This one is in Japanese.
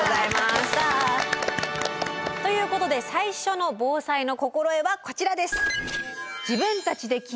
やった！ということで最初の防災の心得はこちらです。